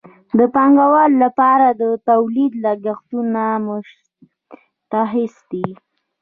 د پانګوال لپاره د تولید لګښتونه مشخص دي